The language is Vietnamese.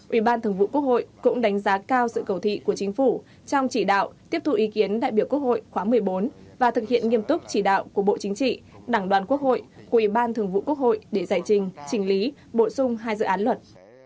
ủy ban thường vụ quốc hội cũng đánh giá cao sự cầu thị của chính phủ trong chỉ đạo tiếp thu ý kiến đại biểu quốc hội khóa một mươi bốn và thực hiện nghiêm túc chỉ đạo của bộ chính trị đảng đoàn quốc hội của ủy ban thường vụ quốc hội để giải trình trình lý bổ sung hai dự án luật